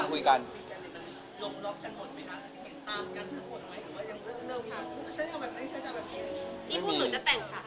นี่พูดเหมือนจะแต่ง๓เดือนหน้า